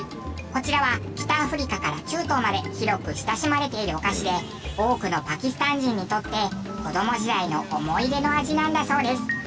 こちらは北アフリカから中東まで広く親しまれているお菓子で多くのパキスタン人にとって子供時代の思い出の味なんだそうです。